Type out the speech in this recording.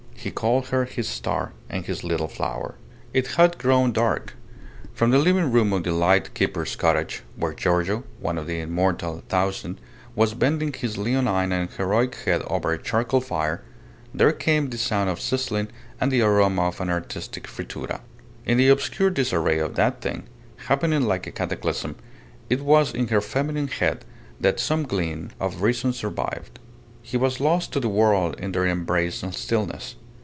He called her his star and his little flower. It had grown dark. From the living room of the light keeper's cottage, where Giorgio, one of the Immortal Thousand, was bending his leonine and heroic head over a charcoal fire, there came the sound of sizzling and the aroma of an artistic frittura. In the obscure disarray of that thing, happening like a cataclysm, it was in her feminine head that some gleam of reason survived. He was lost to the world in their embraced stillness.